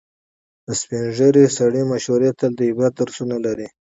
د سپینې ږیرې سړي مشورې تل د عبرت درسونه لري.